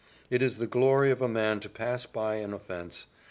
'It is the glory of a man to pass by an offence.